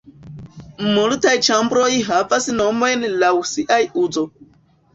Multaj ĉambroj havas nomojn laŭ siaj uzo.